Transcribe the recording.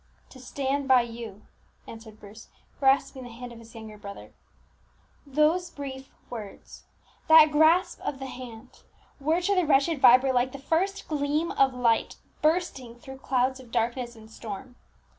"To stand by you," answered Bruce, grasping the hand of his younger brother. Those brief words that grasp of the hand were to the wretched Vibert like the first gleam of light bursting through clouds of darkness and storm.